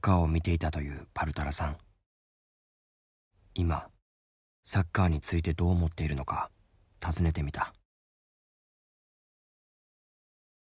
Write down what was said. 今サッカーについてどう思っているのか尋ねてみた。